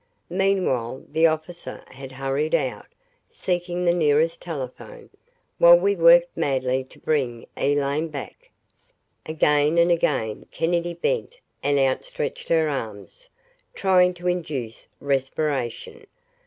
Meanwhile the officer had hurried out, seeking the nearest telephone, while we worked madly to bring Elaine back. Again and again Kennedy bent and outstretched her arms, trying to induce respiration.